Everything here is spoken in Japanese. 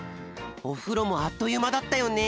おふろもあっというまだったよね。